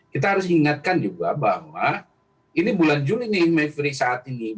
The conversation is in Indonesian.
kita harus ingatkan juga bahwa ini bulan juli nih mayfri saat ini